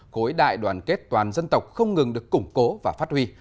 khối đại đoàn kết toàn dân tộc không ngừng được củng cố và phát huy